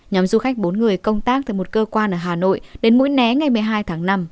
nhóm du khách bốn người công tác từ một cơ quan ở hà nội đến mũi né ngày một mươi hai tháng năm